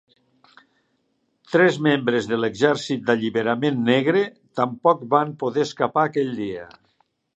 Tres membre de l'Exèrcit d'Alliberament Negre tampoc van poder escapar aquell dia.